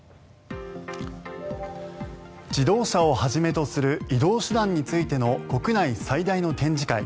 自動車をはじめとする移動手段についての国内最大の展示会